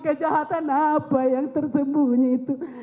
kejahatan apa yang tersembunyi itu